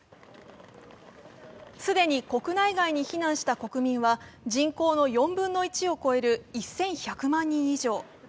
既に国内外に避難した国民は人口の４分の１を超える１１００万人以上。